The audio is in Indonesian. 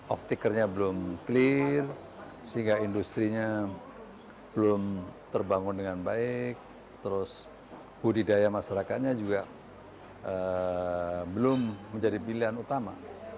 off tickernya belum clear sehingga industri nya belum terbangun dengan baik terus budidaya masyarakatnya juga belum menjadi pilihan utama